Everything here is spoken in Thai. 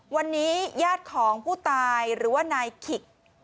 วันนี้ญาติของผู้ตายหรือว่านายขิก